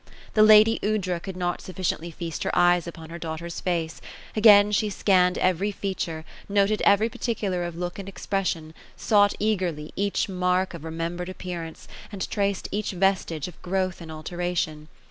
The lady Aoudra could not sufficiently feast her eyes upon her daughter's face ; again she scanned every feature, noted every particular of look and expression, — sought eagerly each mark of remembered ap pearance, and traced each vestige of growth and alteration.